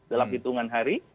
dalam hitungan hari